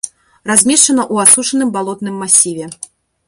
Размешчана ў асушаным балотным масіве.